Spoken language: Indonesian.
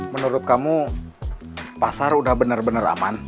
menurut kamu pasar udah bener bener aman